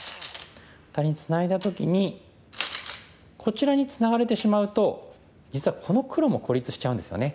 アタリにツナいだ時にこちらにツナがれてしまうと実はこの黒も孤立しちゃうんですよね。